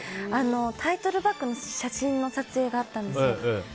タイトルバックの写真の撮影があったんですよ。